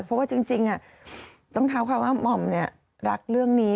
เพราะว่าจริงต้องเท้าค่ะว่าหม่อมรักเรื่องนี้